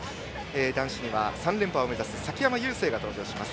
男子には３連覇を目指す崎山優成が登場します。